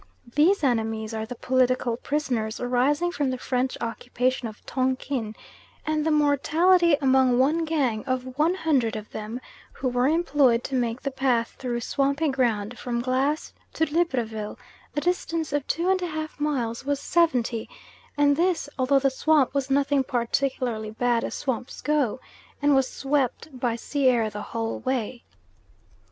These Annamese are the political prisoners arising from the French occupation of Tong kin; and the mortality among one gang of 100 of them who were employed to make the path through swampy ground from Glass to Libreville a distance of two and a half miles was seventy, and this although the swamp was nothing particularly bad as swamps go, and was swept by sea air the whole way.